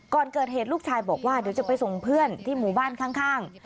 ก่อนเกิดเหตุลูกชายบอกว่าเดี๋ยวจะไปส่งเพื่อนที่หมู่บ้านข้าง